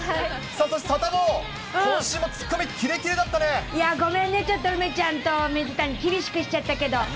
そしてサタボー、今週も突っ込み、キレキレいやー、ごめんね、ちょっと梅ちゃんと水谷、厳しくしちゃったけど。